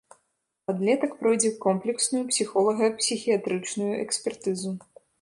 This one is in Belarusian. Падлетак пройдзе комплексную псіхолага-псіхіятрычную экспертызу.